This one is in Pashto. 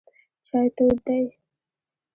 چای تود دی.